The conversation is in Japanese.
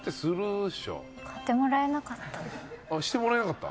あっしてもらえなかった？